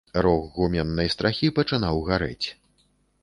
Рог гуменнай страхі пачынаў гарэць.